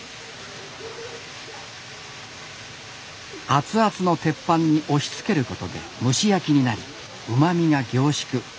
熱々の鉄板に押しつけることで蒸し焼きになりうまみが凝縮。